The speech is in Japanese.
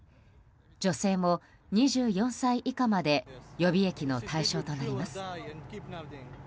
女性も２４歳以下まで予備役の対象となります。